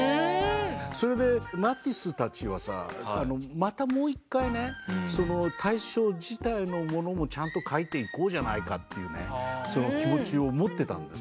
それでマティスたちはさまたもう一回ね対象自体のものもちゃんと描いていこうじゃないかというねその気持ちを持ってたんですね。